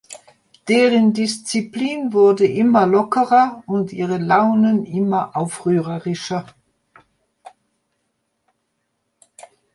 Deren Disziplin wurde immer lockerer und ihre Launen immer aufrührerischer.